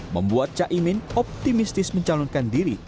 membuat caimin optimistis mencalonkan diri